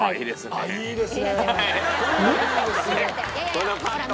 「ああいいですね」